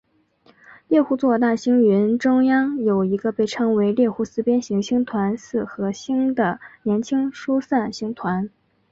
猎户座大星云中央有一个被称为猎户四边形星团四合星的年轻疏散星团。